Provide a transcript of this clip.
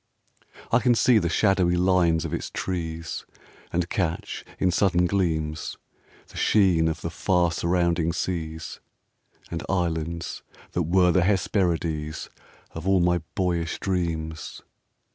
I can see the shadowy lines of its trees, And catch, in sudden gleams, The sheen of the far surrounding seas, And islands that were the Hesperides Of all my boyish dreams.